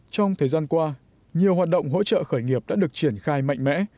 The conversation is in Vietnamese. trong thời gian qua nhiều hoạt động hỗ trợ khởi nghiệp đã được triển khai mạnh mẽ